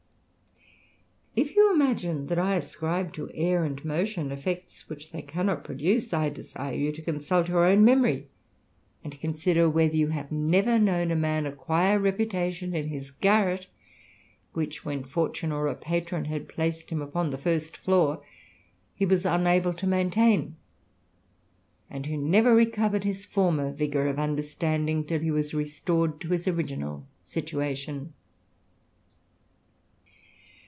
If you imagine that I ascribe to air and motion effects which they cannot produce, I desire you to consult your own memory, and consider whether you have never known a man acquire reputation in his garret, which, when fortune or a patron had placed him upon the first floor, he was unable to maintain ; and who never recovered his former vigour of understanding, till he was restored to his original situation.